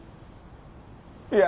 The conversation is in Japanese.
いや。